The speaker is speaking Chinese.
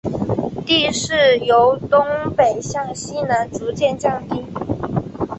地势由东北向西南逐渐降低。